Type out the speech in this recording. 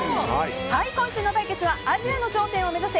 今週の対決はアジアの頂点を目指せ！